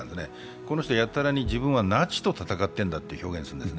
この人はやたらに自分はナチと戦っているんだと言っているわけですね。